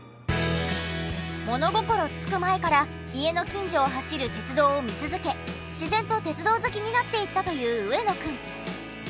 物心つく前から家の近所を走る鉄道を見続け自然と鉄道好きになっていったという上野くん。